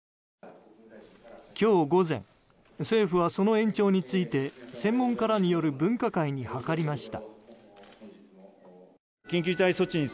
今日午前、政府はその延長について専門家らによる分科会に諮りました。